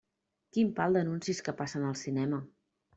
Quin pal d'anuncis que passen al cinema!